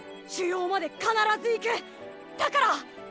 腫瘍まで必ず行く！だから。